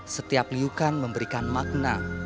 setiap liukan memberikan makna